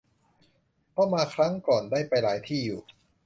เพราะมาครั้งก่อนก็ได้ไปหลายที่อยู่